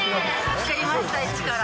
作りました、一から。